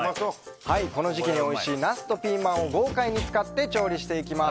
この時期においしいナスとピーマンを豪快に使って調理していきます。